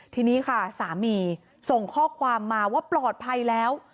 ทีนี้ค่ะสามีส่งข้อความมาว่าปลอดภัยแล้ว